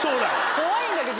怖いんだけど。